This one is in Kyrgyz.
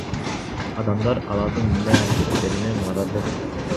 Адамдар алардын мындай аракеттерине нааразы.